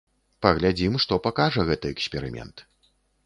Паглядзім, што пакажа гэты эксперымент.